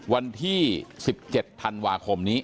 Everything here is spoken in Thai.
วันที่๑๗ธันวาคมนี้